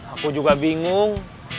aku juga bingung